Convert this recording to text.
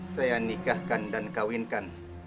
saya nikahkan dan kauinkan